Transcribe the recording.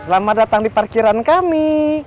selamat datang di parkiran kami